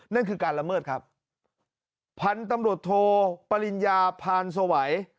นั่นคือการละเมิดครับพันธุ์ตำรวจโทปริญญาพานสวัย